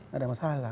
gak ada masalah